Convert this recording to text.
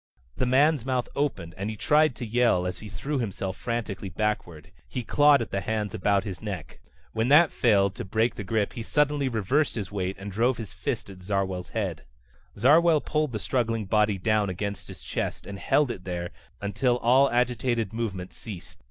The man's mouth opened and he tried to yell as he threw himself frantically backward. He clawed at the hands about his neck. When that failed to break the grip he suddenly reversed his weight and drove his fist at Zarwell's head. Zarwell pulled the struggling body down against his chest and held it there until all agitated movement ceased.